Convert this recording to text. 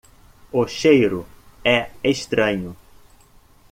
O cheiro é estranho.